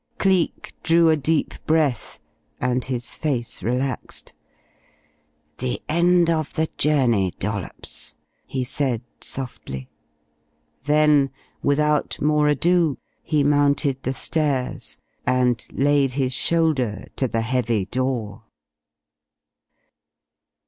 Cleek drew a deep breath, and his face relaxed. "The end of the journey, Dollops," he said softly. Then, without more ado, he mounted the stairs, and laid his shoulder to the heavy door.